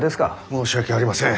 申し訳ありません。